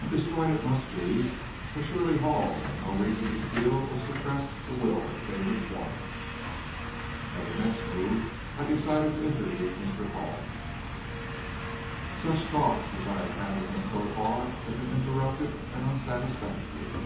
And destroyed it must be, for surely Hall had no reason to steal or suppress the will that favored Florence. As a next move, I decided to interview Mr. Hall. Such talks as I had had with him so far, had been interrupted and unsatisfactory.